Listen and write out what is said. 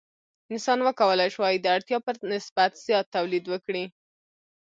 انسان وکولی شوای د اړتیا په نسبت زیات تولید وکړي.